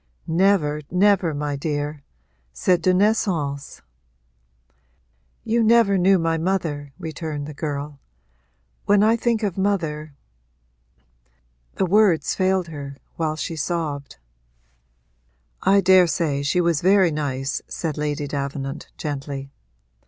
'Never, never, my dear: c'est de naissance.' 'You never knew my mother,' returned the girl; 'when I think of mother ' The words failed her while she sobbed. 'I daresay she was very nice,' said Lady Davenant gently.